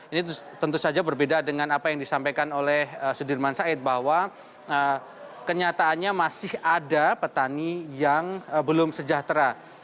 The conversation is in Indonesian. ini tentu saja berbeda dengan apa yang disampaikan oleh sudirman said bahwa kenyataannya masih ada petani yang belum sejahtera